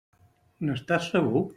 N'estàs segur?